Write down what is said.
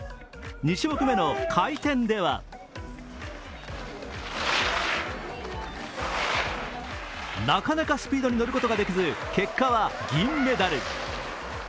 ２種目めの回転ではなかなかスピードに乗ることができず、結果は銀メダル。